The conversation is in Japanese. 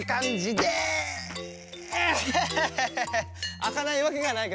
あかないわけがないけどね。